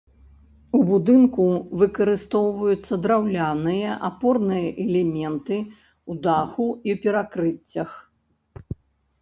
У будынку выкарыстоўваюцца драўляныя апорныя элементы ў даху і перакрыццях.